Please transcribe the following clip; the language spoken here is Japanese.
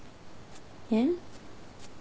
えっ？